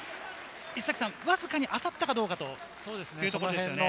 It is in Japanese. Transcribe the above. わずかに当たったかどうかというところですよね。